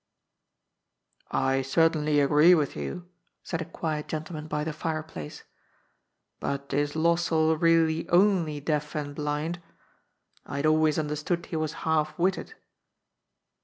" I certainly agree with you," said a quiet gentleman by the fireplace. " But is Lossell really only deaf and blind ? I had always understood he was half witted."